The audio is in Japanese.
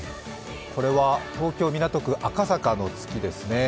これは東京・港区赤坂の月ですね。